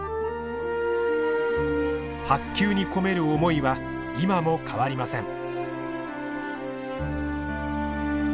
白球に込める思いは今も変わりません。